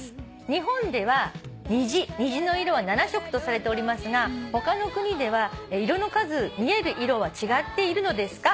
「日本では虹の色は７色とされておりますが他の国では色の数見える色は違っているのですか？」